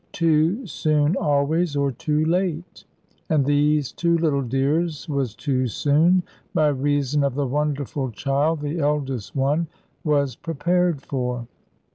Too soon always, or too late; and these two little dears was too soon, by reason of the wonderful child the eldest one was prepared for.